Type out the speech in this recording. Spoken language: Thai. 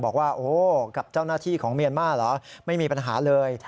บอกว่าโอ้กับเจ้าหน้าที่ของเมียนมาร์เหรอไม่มีปัญหาเลย